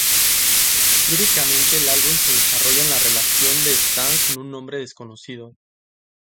Líricamente el álbum se desarrolla en la relación de Stan con un hombre desconocido.